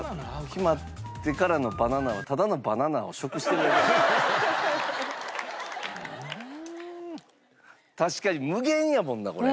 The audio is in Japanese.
決まってからのバナナは確かに無限やもんなこれ。